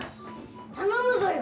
頼むぞよ。